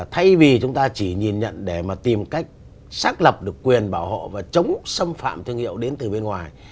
thay vì chúng ta chỉ nhìn nhận để mà tìm cách xác lập được quyền bảo hộ và chống xâm phạm thương hiệu đến từ bên ngoài